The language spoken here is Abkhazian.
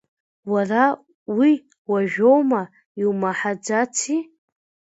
Уара, уи уажәоума, иумаҳаӡаци?!